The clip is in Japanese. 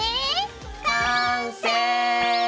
完成！